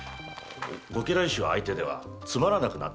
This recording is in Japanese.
ご家来衆相手ではつまらなくなったってわけさ。